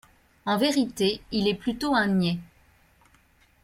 En vérité, il est plutôt un niais.